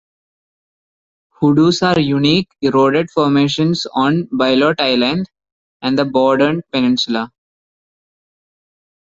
Hoodoos are unique eroded formations on Bylot Island and the Borden Peninsula.